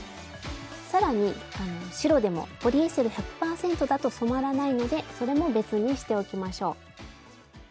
さらに白でもポリエステル１００％だと染まらないのでそれも別にしておきましょう。